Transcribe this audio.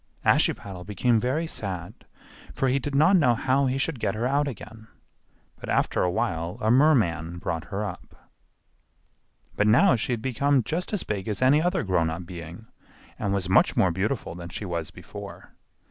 Ashiepattle became very sad, for he did not know how he should get her out again; but after a while a merman brought her up. But now she had become just as big as any other grown up being and was much more beautiful than she was before.